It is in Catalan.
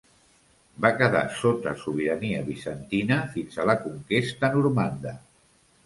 Va quedar sota sobirania bizantina fins a la conquesta normanda.